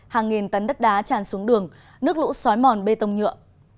hàng nghìn tấn đất đá tràn xuống đường nước lũ xói mòn bê tông nhựa